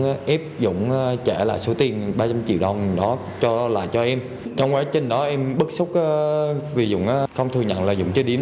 thì tụi em xuống ép dũng trả lại số tiền ba trăm triệu đồng đó cho lại cho em trong quá trình đó em bức xúc vì dũng không thừa nhận là dũng chơi điếm